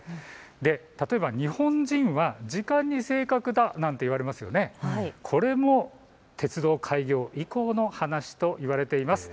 例えば日本人は時間に正確だと言われていますがこれも鉄道開業以降の話といわれています。